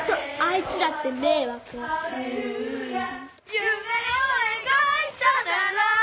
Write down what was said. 「夢を描いたなら」